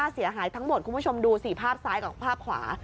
เสียหายทั้งหมดคุณผู้ชมดูสิภาพซ้ายกับภาพขวา